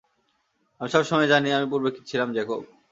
আমি সবসময়ই জানি আমি পূর্বে কী ছিলাম, জ্যাকব।